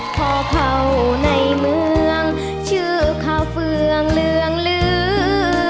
พอเข้าในเมืองชื่อข้าวเฟืองเหลืองลื้อ